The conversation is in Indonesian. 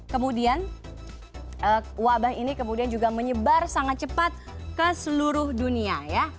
kemudian wabah ini kemudian juga menyebar sangat cepat ke seluruh dunia ya